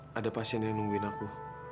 ada pasien yang nungguin aku